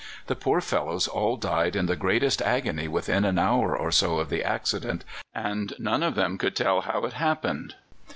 The poor fellows all died in the greatest agony within an hour or so of the accident, and none of them could tell how it happened.